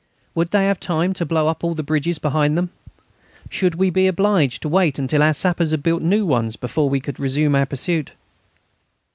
Would they have time to blow up all the bridges behind them? Should we be obliged to wait until our sappers had built new ones before we could resume our pursuit?